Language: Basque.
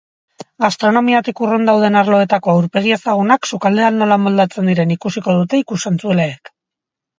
Gastronomiatik urrun dauden arloetako aurpegi ezagunak sukaldean nola moldatzen diren ikusiko dute ikus-entzuleek.